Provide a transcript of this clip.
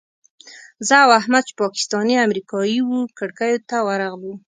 زه او احمد چې پاکستاني امریکایي وو کړکیو ته ورغلو.